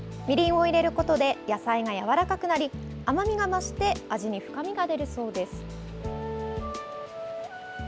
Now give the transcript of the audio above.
みりんを入れることで野菜がやわらかくなり甘みが増して味に深みが出るそうです。